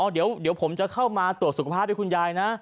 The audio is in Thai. เดี๋ยวผมจะเข้ามาตรวจสุขภาพให้คุณยายนะ